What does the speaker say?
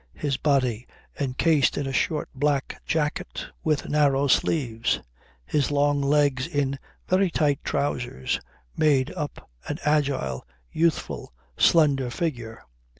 His body encased in a short black jacket with narrow sleeves, his long legs in very tight trousers, made up an agile, youthful, slender figure.